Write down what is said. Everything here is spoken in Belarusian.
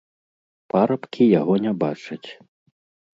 Парабкі яго не бачаць.